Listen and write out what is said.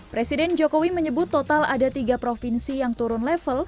presiden jokowi menyebut total ada tiga provinsi yang turun level